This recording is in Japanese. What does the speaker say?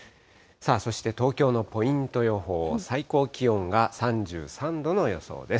そして東京のポイント予報、最高気温が３３度の予想です。